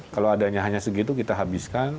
kalau adanya hanya segitu kita habiskan